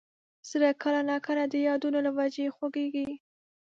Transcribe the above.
زړه کله نا کله د یادونو له وجې خوږېږي.